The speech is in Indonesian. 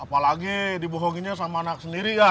apalagi dibohonginnya sama anak sendiri ya